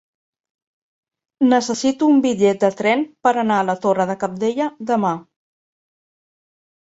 Necessito un bitllet de tren per anar a la Torre de Cabdella demà.